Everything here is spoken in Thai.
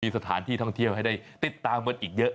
สถานที่ท่องเที่ยวให้ได้ติดตามกันอีกเยอะ